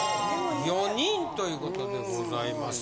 ４人ということでございます。